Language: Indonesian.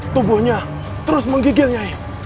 tubuhnya terus menggigilnya